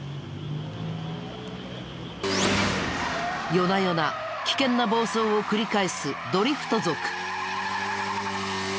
夜な夜な危険な暴走を繰り返すドリフト族。